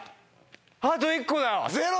あと１個だよ。